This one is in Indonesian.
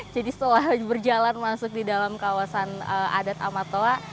jadi setelah berjalan masuk di dalam kawasan adat amatua